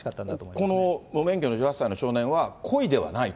この無免許の１８歳の少年は故意ではないと？